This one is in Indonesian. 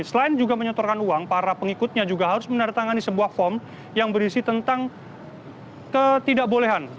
selain juga menyetorkan uang para pengikutnya juga harus menandatangani sebuah form yang berisi tentang ketidakbolehan